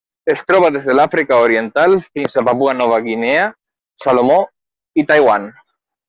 Es troba des de l'Àfrica Oriental fins a Papua Nova Guinea, Salomó i Taiwan.